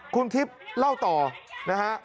คุณทิพย์เล่าต่อนะฮะ